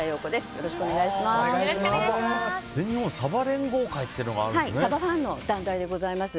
よろしくお願いします。